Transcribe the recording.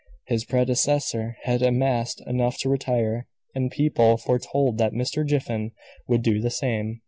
His predecessor had amassed enough to retire, and people foretold that Mr. Jiffin would do the same.